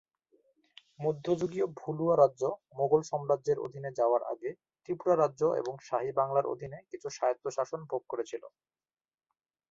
মধ্যযুগীয় ভুলুয়া রাজ্য মোগল সাম্রাজ্যের অধীনে যাওয়ার আগে ত্রিপুরা রাজ্য এবং শাহী বাংলার অধীনে কিছু স্বায়ত্তশাসন ভোগ করেছিল।